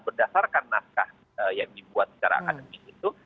berdasarkan naskah yang dibuat secara akademik itu